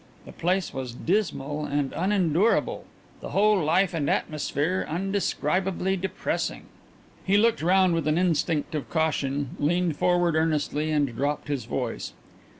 The place was dismal and unendurable, the whole life and atmosphere indescribably depressing." He looked round with an instinct of caution, leaned forward earnestly, and dropped his voice.